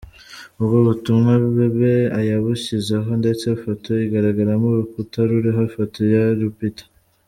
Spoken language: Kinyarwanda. Ubwo butumwa Bebe yabushyizeho ndetse foto igaragaramo urukuta ruriho ifoto ya Lupita.